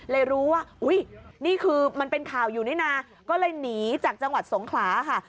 เลยรู้ว่าอุ้ยนี่คือมันเป็นข่าวอยู่นี่นะก็เลยหนีจากจังหวัดสงขลาค่ะ